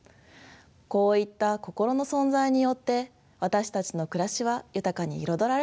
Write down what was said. こういった「心の存在」によって私たちの暮らしは豊かに彩られているのです。